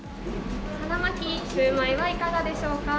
シューマイはいかがでしょうか。